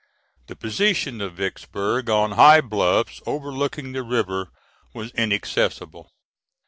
The position of Vicksburg on high bluffs overlooking the river was inaccessible.